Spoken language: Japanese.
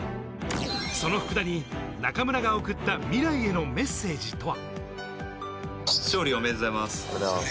その福田に中村が送った未来へのメッセージとは。